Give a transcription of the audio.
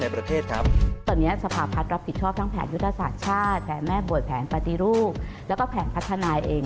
แผงแม่บ่วยแผงปฏิรูปแล้วก็แผงพัฒนาเอง